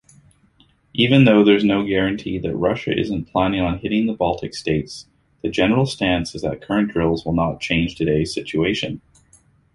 Even though there’s no guarantee that Russia isn’t planning on hitting the Baltic states, the general stance is that the current drills will not change today’s situation.